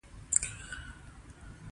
چې پښتانه دې په شعوري ټوګه لوستي شي.